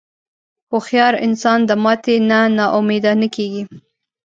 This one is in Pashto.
هوښیار انسان د ماتې نه نا امیده نه کېږي.